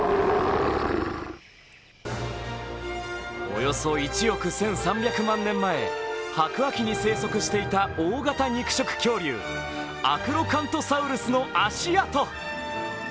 およそ１億１３００万年前白亜紀に生息していた大型肉食恐竜・アクロカントサウルスの足跡。